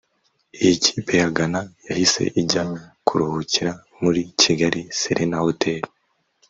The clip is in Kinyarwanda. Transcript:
Iyi kipe ya Ghana yahise ijya kuruhukira muri Kigali Serena Hotel